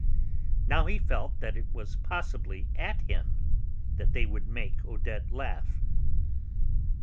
Now he felt that it was possibly at him that they would make Odette laugh.